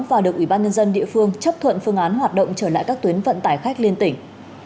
và được ủy ban nhân dân địa phương chấp thuận phương án hoạt động trở lại các tuyến vận tải khách liên tỉnh